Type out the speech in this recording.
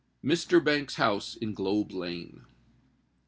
MR. BANKS'S HOUSE IN GLOBE LANE.